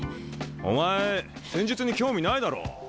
お前戦術に興味ないだろ？